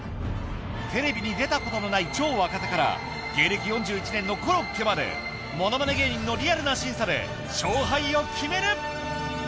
テレビに出たことのない超若手から芸歴４１年のコロッケまでものまね芸人のリアルな審査で勝敗を決める！